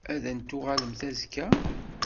Ad n-tuɣalemt azekka?